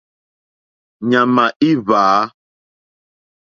Ɲàmà í hwǎ.